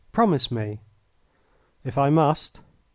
Promise me!" "If I must."